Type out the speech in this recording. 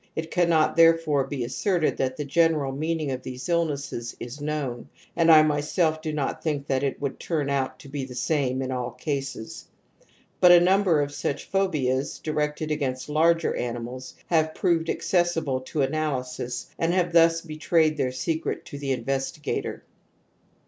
It cannot therefore be asserted that the general meaning of these illnesses is known, and I myself do not think that it would turn out to beth e s ame in all cases. ^j But a numbei:^ fsuch phobias [irected' against larger animals have proved^ accessible to analysis and have thus betrayed \ their secret to the investigator.